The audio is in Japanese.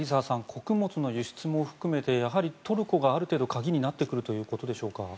穀物の輸出も含めてやはりトルコがある程度鍵になってくるということでしょうか。